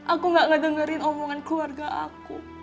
aku tidak mendengarkan omongan keluarga aku